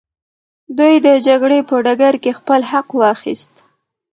دوی د جګړې په ډګر کي خپل حق واخیست.